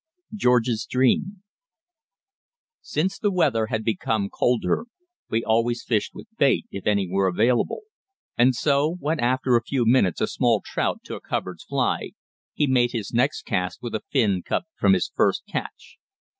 XV. GEORGE'S DREAM Since the weather had become colder we always fished with bait, if any were available, and so, when after a few minutes a small trout took Hubbard's fly, he made his next cast with a fin cut from his first catch.